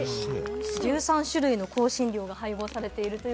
１３種類の香辛料が配合されています。